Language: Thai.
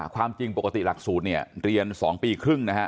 ความจริงปกติหลักสูตรเนี่ยเรียน๒ปีครึ่งนะฮะ